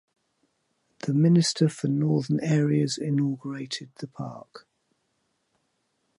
The Minister for Northern Areas inaugurated the park.